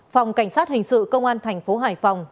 phòng cảnh sát hình sự công an thành phố hải phòng